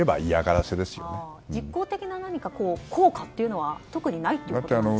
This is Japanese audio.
実効的な効果というのは特にないということですか。